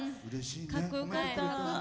かっこよかった。